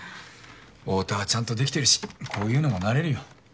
太田はちゃんとできてるしこういうのも慣れるよ。